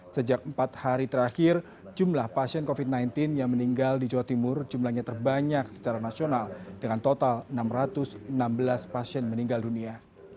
sejak empat hari terakhir jumlah pasien covid sembilan belas yang meninggal di jawa timur jumlahnya terbanyak secara nasional dengan total enam ratus enam belas pasien meninggal dunia